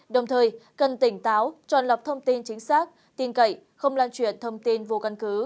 đồng thời cần tỉnh táo chọn lọc thông tin chính xác tin cậy không lan truyền thông tin vô căn cứ